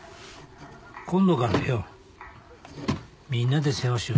今度からよ